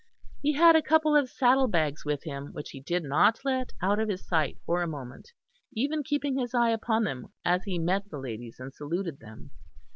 He had a couple of saddle bags with him, which he did not let out of his sight for a moment; even keeping his eye upon them as he met the ladies and saluted them.